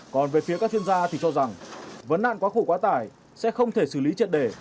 còn về phía các chuyên gia thì cho rằng vấn nạn quá khổ quá tải sẽ không thể xử lý triệt đề